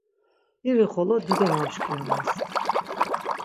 İri xolo dido mamşkirones.